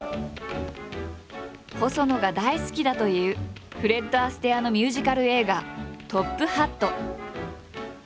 細野が大好きだというフレッド・アステアのミュージカル映画「トップ・ハット」。